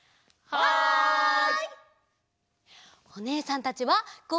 はい。